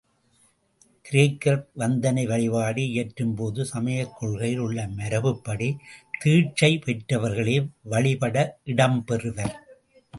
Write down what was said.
கிரேக்கர் வந்தனை வழிபாடு இயற்றும்போது சமயக் கொள்கையில் உள்ள மரபுப்படி தீட்சை பெற்றவர்களே வழிபட இடம் பெறுவர்.